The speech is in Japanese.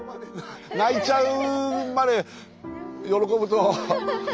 泣いちゃうまで喜ぶとは。